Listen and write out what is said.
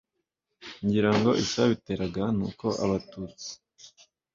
ngirango icyabiteraga nuko abatutsi